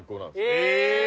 ・え！